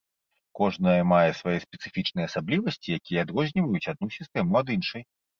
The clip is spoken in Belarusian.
Кожнае мае свае спецыфічныя асаблівасці, якія адрозніваюць адну сістэму ад іншай.